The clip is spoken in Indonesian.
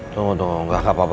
tunggu tunggu gak apa apa